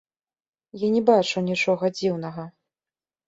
Я не бачу нічога дзіўнага.